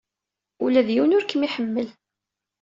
Ula d yiwen ur kem-iḥemmel.